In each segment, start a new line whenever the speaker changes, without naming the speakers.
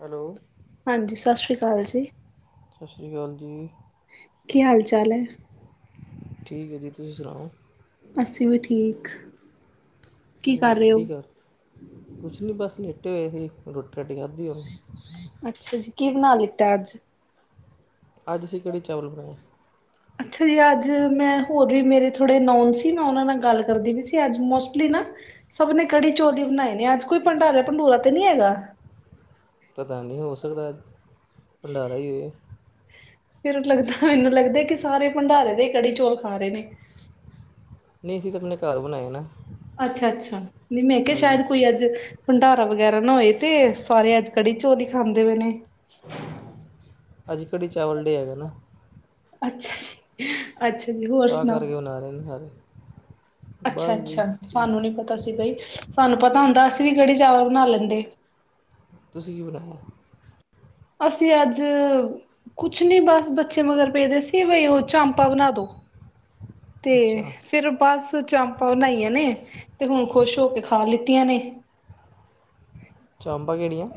Hello?
ਹਾਂਜੀ, ਸਾਸ਼੍ਰੀ ਕਾਲ ਜੀ।
ਸਸ਼੍ਰੀ ਕਾਲ ਜੀ।
ਕੀ ਹਾਲ ਚਾਲ ਐ?
ਠੀਕ ਏ ਜੀ ਤੁਸੀ ਸੁਣਾਓ?
ਅਸੀ ਵੀ ਠੀਕ।
ਹੋਰ ਕੀ ਕਰ ਕੁਛ ਨੀ ਬਸ, ਲੇਟੇ ਹੋਏ ਸੀ ਰੋਟੀ -ਰਾਟੀ ਖਾਧੀ ਹੁਨ।
ਅੱਛਾ ਜੀ, ਕੀ ਬਨਾ ਲਿੱਤਾ ਅੱਜ?
ਅੱਜ ਅਸੀ ਕੜੀ -ਚਾਵਲ ਬਨਾਏ।
ਅੱਛਾ ਜੀ, ਅੱਜ ਮੈ ਹੋਰ ਵੀ ਮੇਰੇ ਥੋੜ੍ਹੇ ਨੋਨ ਸੀ, ਮੈਂ ਓਨਾਂ ਨਾਲ ਗੱਲ ਕਰਦੀ ਵੀ ਸੀ ਅੱਜ ਮੋਸਟਲੀ ਨਾ ਸਭ ਨੇ ਕੜੀ ਚੋਲ ਈ ਬਨਾਏ ਨੇ ਅੱਜ ਕੋਈ ਭੰਡਾਰਾ -ਭੰਡੂਰਾ ਤੇ ਨੀ ਹੈਗਾ?
ਪਤਾ ਨੀ ਹੋ ਸਕਦੈ ਅਜ ਭੰਡਾਰਾ ਈ ਹੋਏ।
ਫਿਰ ਲੱਗਦਾ, ਮੈਨੂੰ ਲੱਗਦਾ ਕਿ ਸਾਰੇ ਭੰਡਾਰੇ ਦੇ ਈ ਕੜੀ-ਚੌਲ ਖਾ ਰੇ ਨੇ।
ਨਈ ਅਸੀ ਤੇ ਆਪਨੇ ਘਰ ਬਨਾਏ ਨਾ।
ਅੱਛਾ-ਅੱਛਾ, ਨੀ ਮੈਂ ਕਿਆ
ਹਾਂਜੀ
ਸ਼ਾਇਦ ਕੋਈ ਅੱਜ ਭੰਡਾਰਾ ਵਗੈਰਾ ਨਾ ਹੋਏ ਤੇ ਸਾਰੇ ਅੱਜ ਕੜੀ ਚੋਲ ਈ ਖਾਂਦੇ ਪਏ ਨੇ
ਅਜੱ ਕੜੀ -ਚਾਵਲ ਡੇ ਹੈਗਾ ਨਾ।
ਅੱਛਾ ਜੀ- ਅੱਛਾ ਜੀ ਹੋਰ ਸੁਣਾਓ?
ਬਨਾ ਰਏ ਨੇ ਸਾਰੇ।
ਅੱਛਾ
ਬਸ ਜੀ
-ਅੱਛਾ
ਠੀਕ
ਸਾਨੂੰ ਨੀ ਪਤਾ ਸੀ ਬਈ, ਸਾਨੂੰ ਪਤਾ ਹੁੰਦਾ ਅਸੀ ਵੀ ਕੜੀ -ਚਾਵਲ ਬਨਾ ਲੈਂਦੇ।
ਤੁਸੀ ਕੀ ਬਨਾਇਆ?
ਅਸੀ ਅੱਜ ਕੁਛ ਨੀ ਬਸ ਬੱਚੇ ਮਗਰ ਕੈਂਦੇ ਸੀ ਬਈ ਓ ਚਾਮਪਾ ਬਨਾ ਦੋ ਤੇ
ਅੱਛਾ
ਫਿਰ ਬਸ ਚਾਮਪਾ ਬਣਾਈਆਂ ਨੇ ਤੇ ਹੁਣ ਖੁਸ਼ ਹੋ ਕੇ ਖਾ ਲਿੱਤੀਆਂ ਨੇ
ਚਾਮਪਾ ਕੇੜੀਆਂ?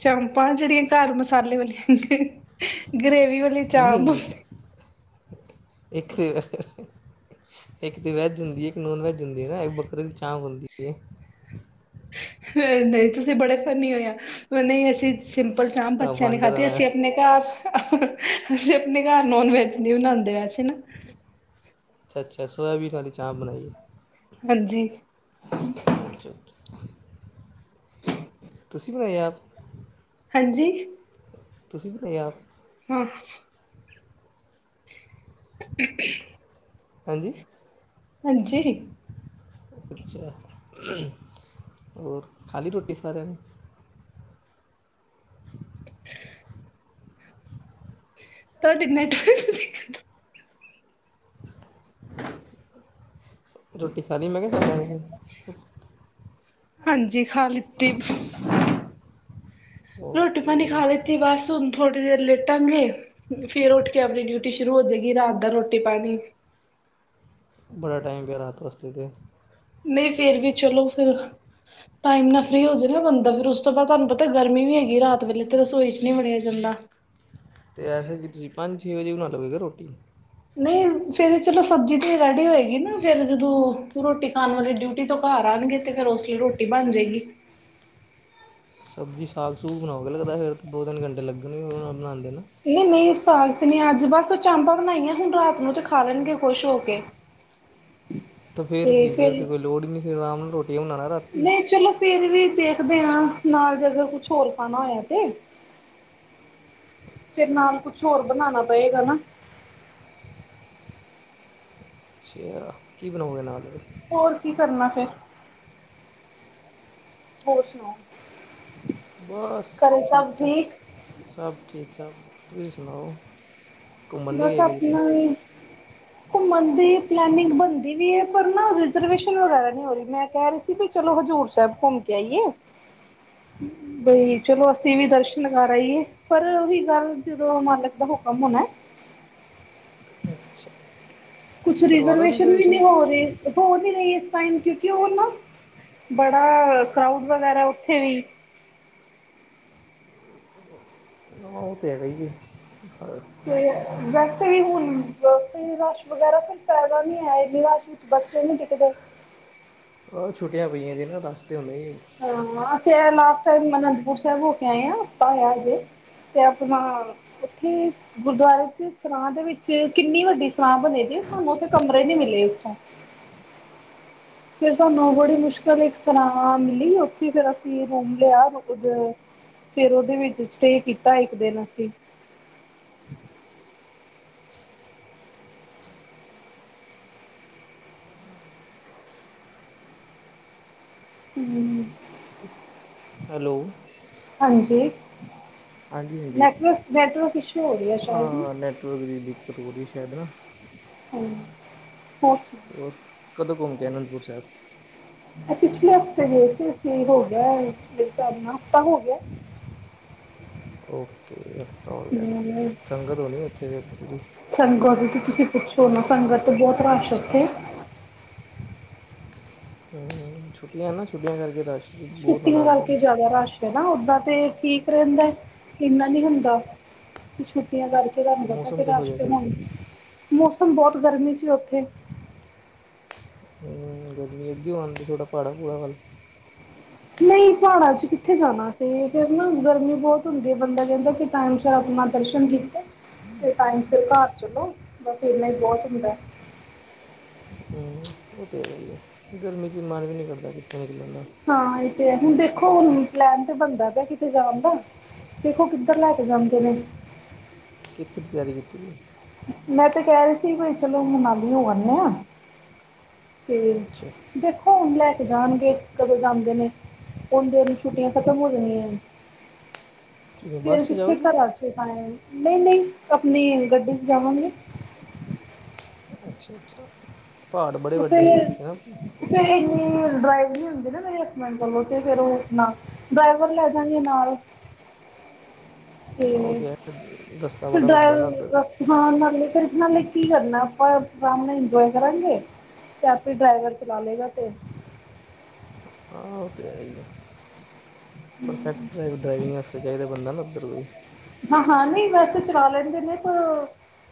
ਚਾਮਪਾ ਜੇੜੀਆਂ ਘਰ ਮਸਾਲੇ ਵਾਲੀ ਹੁੰਦੀਆਂ ਗ੍ਰੇਵੀ ਵਾ
ਨੀ ਇੱਕ ਤੇ ਇੱਕ ਤੇ ਵੈੱਜ ਹੁੰਦੀ ਏ ਇੱਕ ਨੋਨ ਵੈਜ ਹੁੰਦੀ ਏ ਨਾ ਇੱਕ ਬੱਕਰੇ ਦੀ ਚਾਮਪ ਹੁੰਦੀ ਏ।
ਨਈ - ਨਈ ਤੁਸੀ ਬੜੇ ਫੰਨੀ ਓ ਯਾਰ ਨਈ ਅਸੀ ਸਿੰਪਲ ਚਾਮਪ
ਹਾਂ
ਬੱਚਿਆਂ ਨੇ
ਬਾਂਦਰ ਹਾਂ
ਖਾਦੇ
ਮੈਂ
ਅਸੀ ਆਪਨੇ ਹੂੰ [unintelligible] ਅਸੀ ਆਪਨੇ ਘਰ ਨੋਨ ਵੈਜ ਨੀ ਬਨਾਂਦੇ ਵੈਸੇ ਨਾ
ਅੱਛਾ -ਅੱਛਾ ਸੋਇਆਬੀਨ ਆਲੀ ਚਾਮਪ ਬਨਾਈ ਏ।
ਹਾਂਜੀ।
ਅੱਛਾ -ਅੱਛਾ। ਤੁਸੀ ਬਨਾਈ ਆਪ,
ਹਾਂਜੀ
ਤੁਸੀ ਬਨਾਈ ਆਪ?
ਹਾਂ
ਹਾਂਜੀ
ਹੰਜੀ
ਅੱਛਾ, ਹੋਰ ਖਾ ਲੀ ਰੋਟੀ ਸਾਰਿਆਂ ਨੇ? [unintelligible] [inaudible]
ਤਾਡੇ ਨੈਟ [unintelligible] [inaudible]
ਰੋਟੀ ਖਾ ਲੀ ਮੈਂ ਕੇਆ ਸਾਰਿਆਂ ਨੇ ਫਿਰ?
ਹਾਂਜੀ ਖਾ ਲਿੱਤੀ। ਰੋਟੀ ਪਾਨੀ
ਓਕੇ
ਖਾ ਲੀਤੀ ਬਸ ਹੁਨ ਥੋੜੀ ਦੇਰ ਲੇਟਾਂਗੇ ਫੇਰ ਉੱਠ ਕੇ ਅਪਨੀ ਡਿਊਟੀ ਸ਼ੁਰੂ ਹੋ ਜੇਏਗੀ ਰਾਤ ਦਾ ਰੋਟੀ ਪਾਨੀ
ਬੜਾ ਟਾਈਮ ਪਿਆ ਰਾਤ ਵਾਸਤੇ ਤੇ
ਨਹੀਂ ਫੇਰ ਵੀ ਚਲੋ, ਫੇਰ ਟਾਈਮ ਨਾਲ ਫ੍ਰਰੀ ਹੋ ਜੇ ਨਾ ਬੰਦਾ ਫੇਰ ਉਸ ਤੋਂ ਬਾਅਦ ਤੁਹਾਨ ਪਤ ਤੇ ਗਰਮੀ ਵੀ ਹੈਗੀ ਏ ਰਾਤ ਵੇਲੇ ਤੇ ਰਸੋਈ ਚ ਨਹੀਂ ਵੜਿਆ ਜਾਂਦਾ
ਤੇ ਐਸੇ ਕਿ ਤੁਸੀਂ ਪੰਜ ਛੇ ਵਜੇ ਬਨਾ ਲੋਗੇ ਕੀ ਰੋਟੀ
ਨਹੀਂ ਫੇਰ ਵੀ ਚਲੋ ਸਬਜ਼ੀ ਤੇ ਰੈਡੀ ਹੋਏਗੀ ਨਾ ਫੇਰ ਜਦੋਂ ਰੋਟੀ ਖਾਨ ਵਾਲੇ ਡਿਊ ਜਦੋਂ ਘਰ ਆਨਗੇ ਤੇ ਫੇਰ ੳਸ ਲੇ ਰੋਟੀ ਬਨ ਜੇਏਗੀ।
ਸਬਜ਼ੀ ਸਾਗ ਸੂਗ ਬਨਾਓਗੇ ਲੱਗਦਾ ਫੇਰ ਤੇ ਦੋ ਤਿੰਨ ਘੰਟੇ ਲੱਗਨਗੇ ਬਣਾਂਦੇ ਨੂੰ
ਨਹੀਂ -ਨਹੀਂ ਸਾਂਗ ਤੇ ਨੀ ਅੱਜ ਬਸ ਉਹ ਚਾਂਪਾ ਬਨਾਈਆਂ ਹੁਨ ਰਾਤ ਨੂੰ ਤੇ ਖਾ ਲੈਨਗੇ ਖੁਸ਼ ਹੋ ਕੇ
ਤੇ ਫੇਰ ਕੀ ਫੇਰ ਤੇ ਕੋਈ ਲੋੜ ਹੀ ਨਹੀਂ ਫਿਰ ਅਰਾਮ ਨਾਲ ਰੋਟੀਆਂ ਬਨਾਣਾ ਰਾ
ਨਹੀਂ ਚਲੋ ਫੇਰ ਵੀ ਦੇਖਦੇ ਹਾਂ ਨਾਲ ਜੇਕਰ ਕੁਛ ਹੋਰ ਖਾਨਾ ਹੋਇਆ ਤੇ ਫੇਰ
ਅੱਛਾ
ਨਾਲ ਕੁਛ ਹੋਰ ਬਨਾਨਾ ਪਏਗਾ ਨਾ
ਅੱਛਾ ਕੀ ਬਨਾਓਗੇ ਨਾਲ ਫੇਰ
ਹੋਰ ਕੀ ਕਰਨਾ ਫੇਰ ਹੋਰ ਸੁਨਾਓ
ਬਸ ਠੀਕ ਠਾਕ ਸਭ ਠੀਕ ਠਾਕ ਤੁਸੀਂ ਸੁਨਾਓ ਘੁੰਮਨ ਨਈ ਗਏ ਕਿਧਰੇ
ਘੁੰਮਨ ਦੀ ਪਲੈਨਿੰਗ ਬਨਦੀ ਵੀ ਏ ਪਰ ਨਾ ਰਿਜਰਵੇਸ਼ਨ ਵਗੈਰਾ ਨਹੀਂ ਹੋ ਰਹੀ ਮੈਂ ਕਹਿ ਰਹੀ ਸੀ। ਵੀ ਚਲੋ ਹਜ਼ੂਰ ਸਾਹਿਬ ਘੁੰਮ ਕੇ ਆਈਏ ਬਈ ਚਲੋ ਅਸੀਂ ਵੀ ਦਰਸ਼ ਲਗਾ ਰਹੀਏ ਪਰ ਉਹੀ ਗੱਲ ਜਦੋਂ ਮਾਲਕ ਦਾ ਹੁਕਮ ਹੋਨਾ।
ਅੱਛਾ।
ਕੁਛ
ਕਰਵਾ ਲਓ
ਰਿਜ਼ਰਵੇਸ਼ਨ ਵੀ ਨਹੀਂ ਹੋ ਰਹੀ। ਹੋੋ ਨਹੀਂ ਰਹੀ ਇਸ ਟਾਈਮ ਕਿਉਂਕਿ ਉਹ ਨਾ ਬੜਾ ਕਰਾਊਡ ਵਗੈਰਾ ਉੱਥੇ ਵੀ
ਹ। [unintelligible] ਹਾਂ ਉਹ ਤੇ ਹੇਗਾ ਈ ਏ ਹ
ਤੇ ਵੈਸੇ ਵੀ ਹੁਨ [unintelligible] ਫ ਰਸ਼ ਵਗੈਰਾ ਫਿਰ ਫਾਇਦਾ ਨੀ ਹੈ ਇਹਦੀ ਰਸ਼ ਬੱਚੇ ਨੀ ਟਿਕਦੇ
ਉਹ ਛੁੱਟੀਆਂ ਪਈਆਂ ਸੀ ਨਾ ਰਸ਼ ਤੇ ਹੋਨਾ ਈ।
ਹਾਂ ਅਸੀਂ ਇਹ ਲਾਸਟ ਟਾਇਮ ਅਨੰਦਪੁਰ ਸਾਹਿਬ ਹੋ ਕੇ ਆਏ ਆ ਹਫਤਾ ਹੋਇਆ ਅਜੇ। ਤੇ ਅਪਨਾ ਉੱਥੇ ਗੁਰਦੁਆਰੇ ਚ ਸਰਾਂ ਦੇ ਵਿੱਚ ਕਿੰਨੀ ਵੱਡੀ ਸਰਾਂ ਬਨੀ ਦੀ ਸਾਨੂੰ ਉਥੇ ਕਮਰੇ ਨੀ ਮਿਲੇ ਇਥੋਂ ਫਿਰ ਸਾਨੂੰ ਬੜੀ ਮੁਸ਼ਕਲ ਇੱਕ ਤਰ੍ਹਾਂ ਮਿਲੀ ਉੱਥੇ ਫਿਰ ਅਸੀਂ ਰੂਮ ਲਿਆ ਮਤਲਬ। ਫੇਰ ਉਹਦੇ ਵਿੱਚ ਸਟੇ ਕੀਤਾ ਇੱਕ ਦਿਨ ਅਸੀਂ। ਹੁ।
ਹੈਲੋ।
ਹਾਂਜੀ।
ਹਾਂਜੀ ਹਾਂਜੀ
ਨੈਟਵਰਕ ਨੈਟਵਰਕ ਇਸ਼ੂ ਹੋ ਰਹੀ ਹੈ ਸ਼ਾਇਦ ਨਾ
ਹਾਂ ਨੈਟਵਰਕ ਦੀ ਦਿੱਕਤ ਹੋ ਰੀ ਸ਼ਇਦ ਨਾ।
ਹਮ। [unintelligible]
ਹੋਰ ਕਦੋਂ ਘੁੰਮ ਕੇ ਆਏ ਅਨੰਦਪੁਰ ਸਾਹਿਬ
ਇਹ ਪਿਛਲੇ ਹਫ਼ਤੇ ਗਏ ਸੀ ਅਸੀਂ ਹੋ ਗਿਆ ਹਿਸਾਬ ਨਾਲ ਹਫ਼ਤਾ ਹੋ ਗਿਆ।
ਓਕੇ ਹਫ਼ਤਾ ਹੋ ਗਿਆ
ਹਮ,
ਸੰਗਤ ਹੋਨੀ ਉੱਥੇ ਫੇਰ ਪੂਰੀ।
ਸੰਗਤ ਦੀ ਤੇ ਤੁਸੀਂ ਪੁੱਛੋ ਨਾ ਸੰਗਤ ਤੇ ਬੋਤ ਰਸ਼ ਉੱਥੇ।
ਛੁੱਟੀਆਂ ਨਾ ਛੁੱਟੀਆਂ ਕਰਕੇ ਰਸ਼ ਬਹੁਤ
ਛੁਟੀਆਂ
ਹੋਣਾ ਉੱਧਰ
ਕਰਕੇ ਜੈਦਾ ਰਸ਼ ਹਨਾ ਓਦਾਂ ਤੇ ਠੀਕ ਰਹਿੰਦਾ, ਇਨਾ ਨੀ ਹੁੰਦਾ। ਛੁੱਟੀਆਂ ਕਰਕੇ ਤੁਹਾਨੂੰ
ਅਤੇ
ਪਤਾ ਕਿ
ਮੌਸਮ ਕਿਹੋ
ਰਸ਼
ਜਿਹਾ
ਤੇ
ਸੀ
ਹੁਣ
ਉੱਧਰ
ਮੌਸਮ ਬਹੁਤ ਗਰਮੀ ਸੀ ਉੱਥੇ।
ਹਮ ਗਰਮੀ ਅਗੇ ਹੋ ਆਦੇਂ ਥੋੜਾ ਪਹਾੜਾ ਪਹੂੜਾ ਵੱਲ
ਨਹੀਂ ਪਹਾੜਾਂ ਚ ਕਿੱਥੇ ਜਾਣਾ ਸੀ, ਫੇਰ ਨਾ ਗਰਮੀ ਬਹੁਤ ਹੁੰਦੀ ਹੈ ਬੰਦਾ ਕਹਿੰਦਾ ਸ਼ਾਮ, ਸ਼ਾਮ ਮੈਂ ਦਰਸ਼ਨ ਕੀਤੇ। ਫੇਰ ਟਾਇਮ ਸਿਰ ਘਰ ਚਲੋ, ਬਸ ਇਨਾ ਹੀ ਬਹੁਤ ਹੁੰਦਾ।
ਹਮ। ਔਹ ਤੇ ਹੈ ਹੀ ਹੈ, ਗਰਮੀ ਚ ਮਨ ਵੀ ਨਹੀਂ ਕਰਦਾ ਕਿੱਥੇ ਨਿਕਲਣ ਦਾ।
ਹਾਂ ਇਹ ਤੇ ਹੈ, ਹੁਣ ਦੇਖੋ ਹੁਣ ਪਲੈਨ ਤੇ ਬਣਦਾ ਪਿਆ ਕਿਤੇ ਜਾਣ ਦਾ। ਦੇਖੋ ਕਿੱਧਰ ਲੈ ਕੇ ਜਾਂਦੇ ਨੇ।
ਕਿਥੇ ਦੀ ਤਿਆਰੀ ਕੀਤੀ ਦੀ ਐ।
ਮੈਂ ਤੇ ਕਹਿ ਰਹੀ ਸੀ ਬਈ ਚਲੋ ਮਨਾਲੀ ਹੋ ਆਣੇ ਆ ਤੇ
ਅੱਛਾ
ਦੇਖੋ ਹੁਣ ਲੈ ਕੇ ਜਾਣਗੇ ਕਦੋ ਜਾਂਦੇ ਨੇ, ਉਨੀ ਦੇਰ ਨੂੰ ਛੁੱਟੀਆਂ ਖਤਮ ਹੋ ਜਾਂਦੀਆਂ ਨੇ।
ਕਿਵੇਂ
ਫੇਰ
ਬੱਸ 'ਚ
ਕਿੱਥੇ
ਜਾਓਗੇ
ਘਰਾਂ ਚ ਟਾਇਮ ਨਹੀਂ, ਨਹੀਂ ਆਪਣੀ ਗੱਡੀ ਚ ਜਾਵਾਂਗੇ।
ਅੱਛਾ, ਅੱਛਾ। ਪਹਾੜ ਬੜੇ
ਔਹ
ਵੱਡੇ ਹੈਗੇ
ਫੇਰ
ਉੱਥੇ ਨਾ
ਫੇਰ ਇਨੀ ਡਰਾਈਵ ਨ ਹੁੰਦੀ ਨਾ ਮੇਰੇ ਹਸਬੈਂਡ ਕੋਲੋਂ ਤੇ ਫੇਰ ਔਹ ਨਾ ਡਰਾਈਵਰ ਲੈ ਜਾਂਗੇ ਨਾਲ।
ਔਹ ਤੇ ਹੈ ਰਸਤਾ
ਫਿਰ
ਬੜਾ ਵੱਡਾ ਨਾ ਔਦਰ
ਡਰਾਈਵ
ਦਾ।
ਹਾਂ ਨਾਲੇ ਫੇਰ ਨਾਲੇ ਕੀ ਕਰਨਾ ਆਪਾਂ ਆਰਾਮ ਨਾਲ ਇੰਜੋਏ ਕਰਾਂਗੇ। ਜਾ ਫੇਰ ਡਰਾਈਵਰ ਚਲਾ ਲਏਗਾ ਫੇਰ।
ਹਾਂ ਉਹ ਤੇ ਹੈਹੀ ਹੈ। ਪ੍ਰਫੈਕਟ ਡਰਾਈਵਰ ਡਰਾਈਵਿੰਗ ਵਾਸਤੇ ਚਾਹੀਦਾ ਬੰਦਾ ਨਾ ਉੱਧਰ ਕੋਈ।
ਹਾਂ-ਹਾਂ ਨਹੀਂ ਵੈਸੇ ਚਲਾ ਲੈਂਦੇ ਨੇ ਪਰ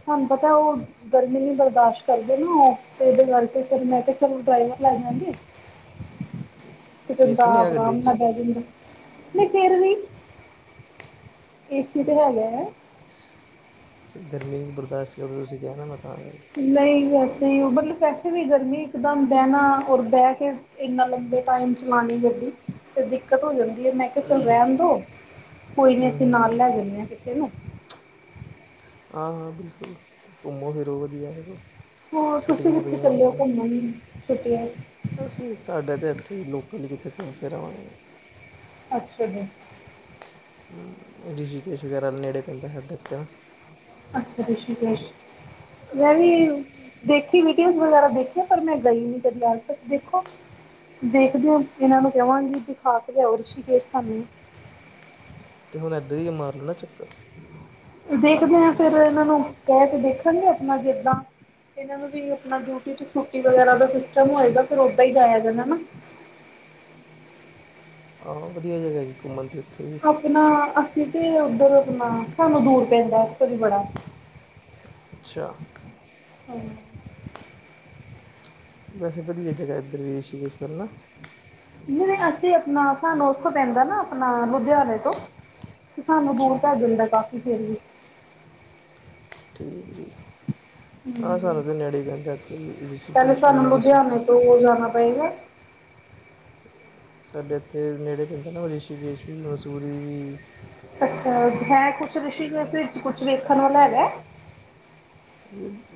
ਤੁਹਾਨੂੰ ਪਤਾ ਉਹ ਗਰਮੀ ਨਹੀਂ ਬਰਦਾਸ਼ ਕਰਦੇ ਨਾ ਔਹ, ਤੇ ਏਦੇ ਕਰਕੇ ਫੇਰ ਮੈਂ ਕਯਾ ਚਲੋ ਡਰਾਈਵਰ ਲੈ ਜਾਂਗੇ ਤੇ ਬੰਦਾ
ਏਸੀ ਨਹੀਂ
ਆਪ
ਹੈਗਾ
ਅਰਾਮ
ਗੱਡੀ 'ਚ
ਨਾਲ ਬਹਿ ਜਾਂਦਾ, ਨਹੀਂ ਫੇਰ ਵੀ ਏ ਸੀ ਤੇ ਹੈਗਾ ਹੈ।
ਜੇ ਗਰਮੀ ਨੂੰ ਬਰਦਾਸ਼ਤ ਕਰਦੇ, ਤੁਸੀਂ ਕਹਿਣਾ ਮੈਂ ਤਾਂ
ਨਹੀਂ ਵੈਸੇ ਹੀ ਓਹ, ਮਤਲਬ ਵੈਸੇ ਵੀ ਗਰਮੀ ਇੱਕਦਮ ਬਹਿਣਾ ਔਰ ਬਹਿ ਕੇ ਇੰਨਾ ਲੰਬੇ ਟਾਈਮ ਚਲਾਣੀ ਗੱਡੀ ਫਿਰ ਦਿੱਕਤ ਹੋ ਜਾਂਦੀ ਹੈ, ਮੈਂ ਕਿਹਾ ਚੱਲ ਰਹਿਣ ਦਿਉ ਕੋਈ ਨਹੀਂ ਅਸੀਂ ਨਾਲ ਲੈ ਜਾਂਦੇ ਹਾਂ ਕਿਸੇ ਨੂੰ
ਹਾਂ-ਹਾਂ ਬਿਲਕੁਲ ਘੁੰਮੋ ਫਿਰੋ ਵਧੀਆ ਹੈਗਾ।
ਹੋਰ ਤੁਸੀਂ ਕਿੱਥੇ ਚੱਲ ਹੋ ਘੁੰਮਣ ਛੁੱਟੀਆਂ ਚ?
ਅਸੀਂ ਸਾਡੇ ਤਾਂ ਇੱਥੇ ਹੀ ਲੋਕਲ ਹੀ ਕਿੱਤੇੇ ਘੁੰਮ ਫਿਰ ਆਵਾਂਗੇ।
ਅੱਛਾ ਜੀ।
ਰਿਸ਼ੀਕੇਸ਼ ਵਗੈਰਾ ਨੇੜੇ ਪੈਂਦਾ ਸਾਡੇ ਇਥੋ।
ਅੱਛਾ ਰਿਸ਼ੀਕੇਸ਼, ਮੈਂ ਵੀ
ਹਾਂ
ਦੇਖੀ ਵੀਡੀਓ ਵਗੈਰਾ ਦੇਖਿਆ, ਪਰ ਮੈਂ ਗਈ ਨੀ ਕਦੀ ਅੱਜ ਤੱਕ ਦੇਖੋ ਦੇਖਦੇ ਹੋ ਇਹਨਾਂ ਨੂੰ ਕਵਾਂਗੀ ਦਿਖਾ ਕੇ ਲਓ ਰਿਸ਼ੀਕੇਸ਼ ਸਾਨੂੰ।
ਤੇ ਹੁਣ ਇੱਧਰ ਹੀ ਮਾਰ ਲੈਣਾ ਨਾ ਚੱਕਰ।
ਦੇਖਦੇ ਹਾਂ ਫੋਰ ਇਹਨਾਂ ਨੂੰ ਕਹਿ ਕੇ ਦੇਖਣਗੇ ਆਪਣਾ ਜਿੱਦਾਂ ਇਹਨਾਂ ਨੂੰ ਵੀ ਆਪਣਾ ਡਿਊਟੀ ਤੋਂ ਛੁੱਟੀ ਵਗੈਰਾ ਦਾ ਸਿਸਟਮ ਹੋਏਗਾ, ਫੇਰ ਉੱਦਾਂ ਹੀ ਜਾਇਆ ਜਾਣਾ ਨਾ
ਹਾਂ ਵਧੀਆ ਜਗ੍ਹਾ ਹੈਗੀ ਘੁੰਮਣ ਦੀ ਉਥੇ।
ਅਪਣਾ ਅਸੀਂ ਤੇ ਉੱਧਰ ਆਪਣਾ ਸਾਨੂੰ ਦੂਰ ਪੈਂਦਾ ਕੁਝ ਬੜਾ
ਅੱਛਾ
ਹਮ
ਵੈਸੇ ਵਧੀਆ ਜਗ੍ਹਾ ਰਿਸ਼ੀਕੇਸ਼ ਵੱਲ ਨਾ
ਜਿ ਅਸੀਂ ਆਪਣਾ ਸਾਨੂੰ ਉਥ ਤੋਂ ਪੈਂਦਾ ਨਾ ਆਪਣਾ ਲੁਧਿਆਣੇ ਤੋਂ ਤੇ' ਸਾਨੂੰ ਦੂਰ
ਅੱਛਾ
ਪੈ ਜਾਂਦਾ ਕਾਫੀ ਫੇਰ ਵੀ
ਠੀਕ-ਠੀਕ ਹਾਂ ਸਾਨੂੰ ਤਾਂ ਨੇੜੇ ਪੈਂਦਾ ਇਥੋਂ ਦੀ ਰਿਸ਼ੀਕੇਸ਼ ਵੀ ਮਸ
ਦੂਰ ਜਾਣਾ ਪਏਗਾ
ਸਾਡੇ ਇੱਥੇ ਨੇੜੇ ਪੈਂਦੇ ਨਾ ਰਿਸ਼ੀਕੇਸ਼ ਵੀ ਮਨਸੂਰੀ ਵੀ
ਅੱਛਾ ਹੈ ਕੁਛ ਰਿਸ਼ੀ ਇਸ ਵਿੱਚ ਕੁਛ ਵੇਖਣ ਵਾਲਾ ਹੈਗਾ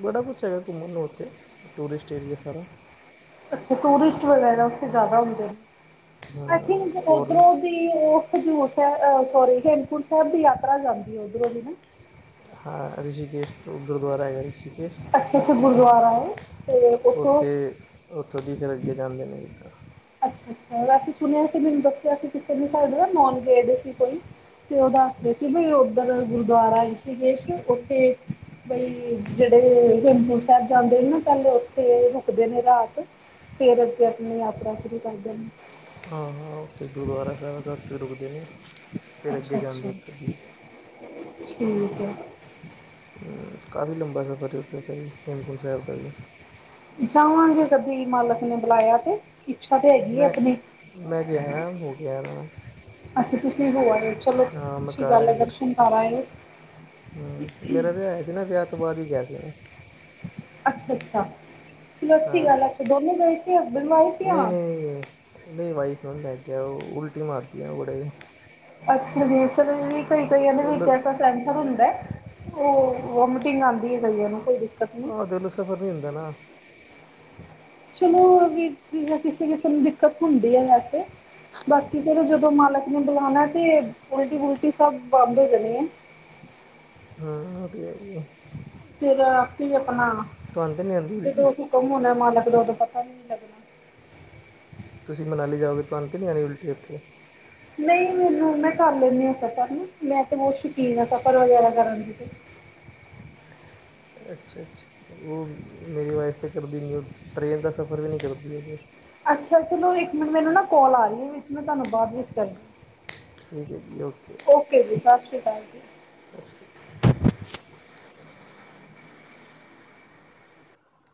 ਬੜਾ ਕੁਛ ਹੈਗਾ ਘੁੰਮਣ ਨੂੰ ਉੱਥੇ ਟੂਰਿਸਟ ਏਰੀਆ ਸਾਰਾ
ਟੂਰਿਸਟ ਵਗੈਰਾ ਉਥੇ ਜਿਆਦਾ ਹੁੰਦੇ ਨੇ ਆਈ
ਹਾਂ
ਥਿੰਕ
ਫੋਰਨ
ਉਧਰੋਂ ਉਹ ਹਜ਼ੂਰ ਸਾਹਿਬ ਸੋਰੀ ਹੇਮਕੁੰਟ ਸਾਹਿਬ ਦੀ ਯਾਤਰਾ ਜਾਂਦੀ ਹੈ ਉੱਧਰੋਂ ਦੀ ਨਾ
ਹਾਂ ਰਿਸ਼ਕੇਸ਼ ਉਹ ਗੁਰਦੁਆਰਾ ਹੈਗਾ ਰਿਸ਼ੀਕੇਸ਼
ਅੱਛਾ ਅੱਛਾ ਗੁਰਦੁਆਰਾ ਹੈ ਤੇ ਉੱਥੋਂ
ਉੱਥੇ ਉੱਥੋਂ ਦੀ ਫੇਰ ਅਗੇ ਜਾਂਦੇ ਨੇ ਤਾਂ
ਅੱਛਾ-ਅੱਛਾ ਅਸੀਂ ਸੁਣਿਆਸੀਂ ਮੈਨੂੰ ਦੱਸਿਆ ਸੀਂ ਕਿਸੇ ਵੀ ਸਾਡੇ ਨਾ ਨੋਨ ਗਏ ਸੀ ਕੋਈ ਤੇ' ਉਹ ਦੱਸਦੇ ਸੀ ਵੀ ਓਧਰ ਗੁਰਦੁਆਰਾ ਰਿਸ਼ਕੇਸ਼ ਉੱਥੇ ਬਈ ਜਿਹੜੇ ਹੇਮਕੁੰਟ ਸਾਹਿਬ ਜਾਂਦੇ ਨੇ ਨਾ ਪਹਿਲੇ ਉੱਥੇ ਰੁਕਦੇ ਨੇ ਰਾਤ ਫੇਰ ਅੱਗੇ ਆਪਣੀ ਯਾਤਰਾ ਸ਼ੁਰੂ ਕਰਦੇ ਨੇ
ਹਾਂ-ਹਾਂ ਉੱਥੇ ਗੁਰਦੁਆਰਾ ਸਾਹਿਬ ਉੱਥੇ ਰੁਕਦੇ ਨੇ ਫਿਰ ਅੱਗੇ ਜਾਂਦੇ
ਅੱਛਾ-ਅੱਛਾ
ਉੱਥੋਂ ਦੀ
ਠੀਕ ਹੈ।
ਮ' ਕਾਫ਼ੀ ਲੰਬਾ ਸਫ਼ਰ ਜ' ਉੱ ਵੀ ਹੇਮਕੁੰਟ ਸਾਹਿਬ ਦਾ ਜੀ
ਜਾਵਾਂਗੇ ਕਦੇ ਮਾਲਕ ਨੇ ਬੁਲਾਇਆ ਤੇ ਇੱਛਾ ਤਾਂ ਹੈਗੀ ਹੈ
ਮੈਂ
ਆਪਣੀ
ਮੈਂ ਗਿਆ ਆ ਹੋ ਕੇ ਆਯਾ ਮੈਂ
ਅੱਛਾ ਤੁਸੀਂ ਹੋ ਆਏ ਹੋ ਚਲੋ
ਹਾਂ ਮੈਂ
ਅੱਛੀ ਗੱਲ ਹੈ ਦਰਸ਼ਨ ਕਰ ਆਇਓ
ਹਾਂ ਮੇਰਾ ਵਿਆਹ ਹੋਇਆ ਸੀ ਨਾ ਵਿਆਹ ਤੋਂ ਬਾਅਦ ਹੀ ਗਿਆ ਸੀ ਮੈਂ
ਅੱਛਾ-ਅੱਛਾ ਚਲੋ ਅੱਛੀ
ਹਾਂ
ਗੱਲ ਹੈ ਅੱਛਾ ਦੋਨੇ ਸੀ ਹਸਬੈਂਡ ਵਾਈਫ ਜਾ ਆਪ
[unintelligible] ਉਹੇ ਵਾਈਫ ਨੂੰ ਲੈ ਕੇ ਆ ਉਹ ਉਲਟੀ ਮਾਰਦੀ ਆ ਬੜੇ
ਅੱਛਾ ਜੀ [unintelligible] ਵੀ ਕਈ, ਕਈ ਇਹਦੇ
ਉਹ
ਵਿੱਚ
ਲ-
ਐਸਾ ਸੈਸਰ ਹੁੰਦਾ ਏ। ਓਹ ਵੋਮਟਿੰਗ ਆਉਂਦੀ ਹੈ ਕਈਆਂ ਨੂੰ ਕੋਈ ਦਿੱਕਤ ਨਹੀਂ।
ਆਹ ਦਿਲ ਸਫ਼ਰ ਨਹੀਂ ਹੁੰਦਾ ਨਾ।
ਚਲੋ ਹੋਰ ਵੀ ਕਿਸੇ- ਕਿਸੇ ਨੂੰ ਦਿੱਕਤ ਹੁੰਦੀ ਹੈ, ਵੈਸੇ ਬਾਕੀ ਫੇਰ ਜਦੋਂ ਮਾਲਕ ਨੇ ਬੁਲਾਣਾ ਤੇ ਉਲਟੀ -ਵੁਲਟੀ ਸਭ ਬੰਦ ਹੋ ਜਾਣੀ ਹੈ।
ਹਾਂ ਓਹ ਤੇ ਹੈ ਹੀ ਹੈ।
ਫੇਰ ਆਪਣਾ
ਤੁਹਾਨੂੰ ਤਾਂ ਨਹੀਂ ਆਉਂਦੀ ਉਲਟੀ
ਜਦੋਂ ਹੁਕਮ ਹੋਣਾ ਮਾਲਕ ਦਾ ਉਦੋਂ ਪਤਾ ਵੀ ਨਹੀਂ ਲੱਗਣਾ।
ਤੁਸੀਂ ਮਨਾਲੀ ਜਾਓਗੇ ਤੁਹਾਨੂੰ'ਤੇ ਨਹੀਂ ਆ ਰਹੀ ਉਲਟੀ ਓਥੇ
ਨਹੀਂ ਮੈਨੂੰ ਮੈਂ ਕਰ ਲੈਂਦੀ ਆ ਸਫ਼ਰ ਮੈਂ ਤੇ ਬਹੁਤ ਸ਼ੌਕੀਨ ਹਾਂ ਸਫ਼ਰ ਵਗੈਰਾ ਕਰਨ ਦੀ ਤੇ।
ਅੱਛਾ, ਅੱਛਾ ਓਹ ਮੇਰੀ ਵਾਈਫ ਤਾਂ ਕਰਦੀ ਨਹੀਂ ਟ੍ਰੇਨ ਦਾ ਸਫ਼ਰ ਵੀ ਨਹੀਂ ਕਰਦੀ ਓਹ ਤੇ।
ਅੱਛਾ, ਅੱਛਾ ਚਲੋ ਇੱਕ ਮਿੰਟ ਮੈਨੂੰ ਨਾ ਕਾਲ ਆ ਰਹੀ ਹੈ, ਵਿੱਚ ਮੈਂ ਤੁਹਾਨੂੰ ਬਾਅਦ ਵਿੱਚ ਕਰਦੀਆਂ।
ਠੀਕ ਹੈ ਜੀ ਓਕੇ।
ਓਕੇ ਜੀ ਸਤਿ ਸ਼੍ਰੀ ਅਕਾਲ ਜੀ।
ਸਤਿ ਸ੍ਰੀ ਅਕਾਲ।